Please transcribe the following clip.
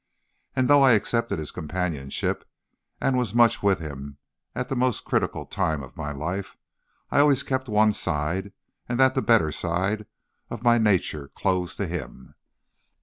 And, though I accepted his companionship, and was much with him at the most critical time of my life, I always kept one side, and that the better side, of my nature closed to him.